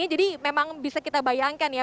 jadi memang bisa kita bayangkan ya